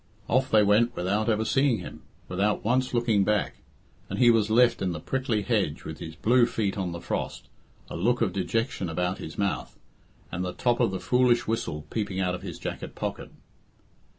Off they went without ever seeing him, without once looking back, and he was left in the prickly hedge with his blue feet on the frost, a look of dejection about his mouth, and the top of the foolish whistle peeping out of his jacket pocket.